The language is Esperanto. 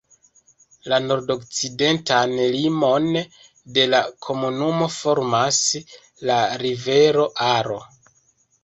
La nordokcidentan limon de la komunumo formas la rivero Aro.